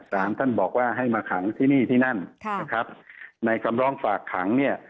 สารท่านบอกว่าให้มาขังที่นี่ที่นั่นนะครับในคำร้องฝากขังเนี่ย